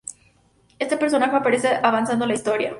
Este personaje aparece avanzada la historia.